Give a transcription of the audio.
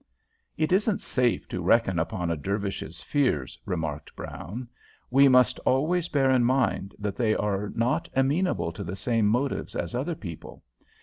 "It isn't safe to reckon upon a Dervish's fears," remarked Brown. "We must always bear in mind that they are not amenable to the same motives as other people.